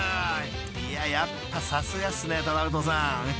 ［いややっぱさすがっすねトラウトさん］